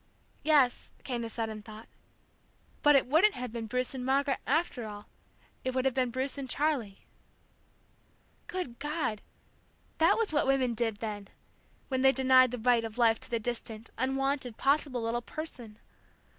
Yes, came the sudden thought, but it wouldn't have been Bruce and Margaret, after all, it would have been Bruce and Charlie. Good God! That was what women did, then, when they denied the right of life to the distant, unwanted, possible little person!